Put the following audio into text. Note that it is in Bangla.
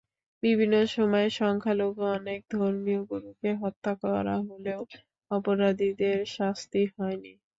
বিভিন্ন সময়ে সংখ্যালঘু অনেক ধর্মীয় গুরুকে হত্যা করা হলেও অপরাধীদের শাস্তি হয়নি।